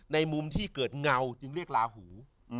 ในมุมที่เกิดเงาจึงเรียกลาหู